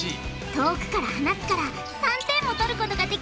遠くから放つから３点も取ることができるんだ。